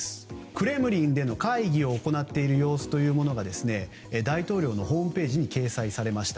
クレムリンの会議を行っている様子が大統領のホームページに掲載されました。